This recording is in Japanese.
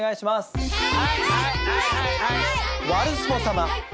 ワルスポ様。